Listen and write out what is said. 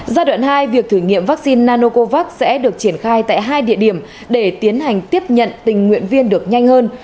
giai đoạn hai việc thử nghiệm vaccine nanocovax sẽ được triển khai tại hai địa điểm để tiến hành tiếp nhận tình nguyện viên được nhanh hơn